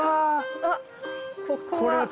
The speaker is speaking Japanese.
あっここは。